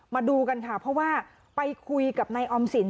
มาดูกันค่ะเพราะว่าไปคุยกับนายออมสิน